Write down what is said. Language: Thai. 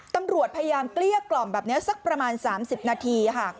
ตำรวจพยายามเกลี้ยกล่อมแบบนี้สักประมาณ๓๐นาทีค่ะ